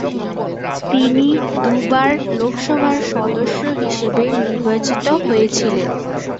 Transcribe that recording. তিনি দুবার লোকসভার সদস্য হিসেবে নির্বাচিত হিয়েছিলেন।